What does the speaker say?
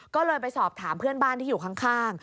ก็เลยไปสอบถามเพื่อนบ้านที่อยู่ข้าง